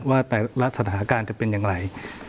ว่าแต่ละสถานการณ์จะเป็นอย่างไร